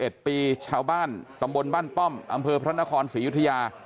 ชาวบ้านตำบลบ้านป้อมอำเภอพระนครศรียุธยา